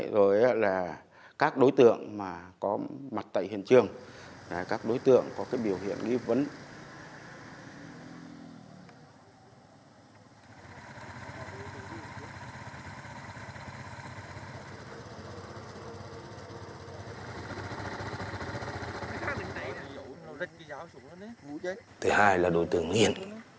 rồi là các đối tượng có mặt tại hiện trường các đối tượng có biểu hiện nghi vấn